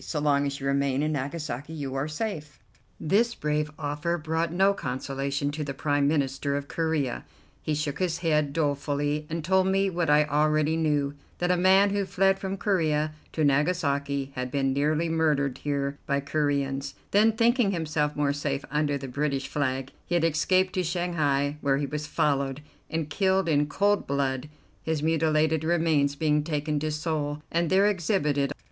So long as you remain in Nagasaki you are safe." This brave offer brought no consolation to the Prime Minister of Corea: he shook his head dolefully, and told me what I already knew, that a man who fled from Corea to Nagasaki had been nearly murdered here by Coreans, then, thinking himself more safe under the British flag, he had escaped to Shanghai, where he was followed and killed in cold blood, his mutilated remains being taken to Seoul, and there exhibited.